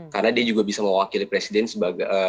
karena dia juga bisa mewakili presiden sebagai